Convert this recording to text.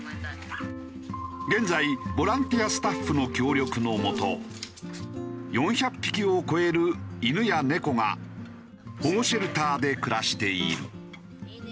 現在ボランティアスタッフの協力のもと４００匹を超える犬や猫が保護シェルターで暮らしている。